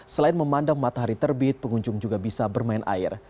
selain memandang matahari terbit pengunjung juga bisa bermain air